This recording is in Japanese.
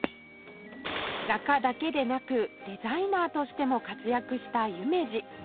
画家だけでなくデザイナーとしても活躍した夢二